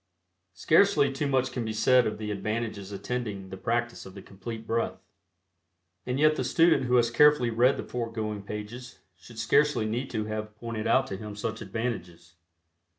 Scarcely too much can be said of the advantages attending the practice of the Complete Breath. And yet the student who has carefully read the foregoing pages should scarcely need to have pointed out to him such advantages.